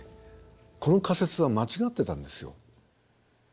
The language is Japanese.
この仮説は間違ってたんですよ。